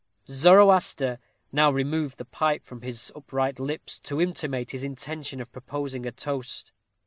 _ Zoroaster now removed the pipe from his upright lips to intimate his intention of proposing a toast.